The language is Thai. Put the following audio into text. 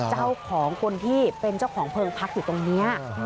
เจ้าของคนที่เป็นเจ้าของเพลิงพักอยู่ตรงนี้